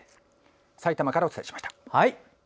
さいたまからお伝えしました。